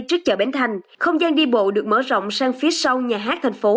trước chợ bến thành không gian đi bộ được mở rộng sang phía sau nhà hát thành phố